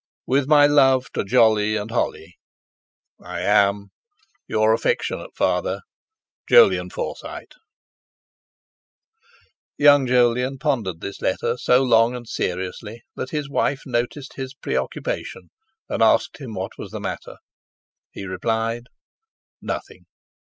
With my love to Jolly and Holly. "I am, "Your affect. father, "JOLYON FORSYTE." Young Jolyon pondered this letter so long and seriously that his wife noticed his preoccupation, and asked him what was the matter. He replied: "Nothing."